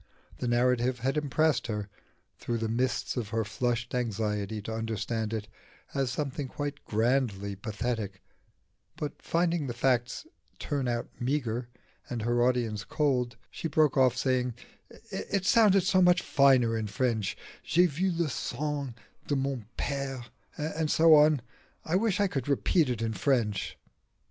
The narrative had impressed her, through the mists of her flushed anxiety to understand it, as something quite grandly pathetic; but finding the facts turn out meagre, and her audience cold, she broke off, saying, "It sounded so much finer in French j'ai vu le sang de mon père, and so on I wish I could repeat it in French."